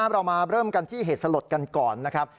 เรามาเริ่มกันที่เหตุสลดกันก่อนนะครับ